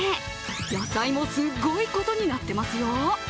野菜も、すごいことになってますよ